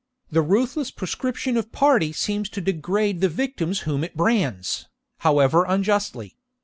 The ruthless proscription of party seems to degrade the victims whom it brands, however unjustly.